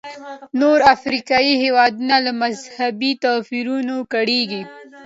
نور افریقایي هېوادونه له مذهبي توپیرونو کړېږي.